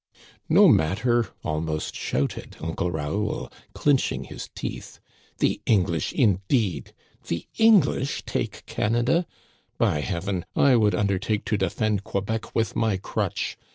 " No matter," almost shouted Uncle Raoul, clinch ing his teeth. "The English, indeed! The English take Canada ! By heaven, I would undertake to defend Quebec with my crutch.